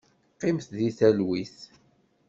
Qqimet deg talwit.